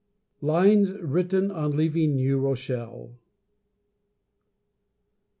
LINES WRITTEN ON LEAVING NEW ROCHELLE.